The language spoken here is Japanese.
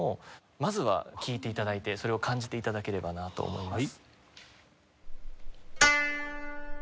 まずは聴いて頂いてそれを感じて頂ければなと思います。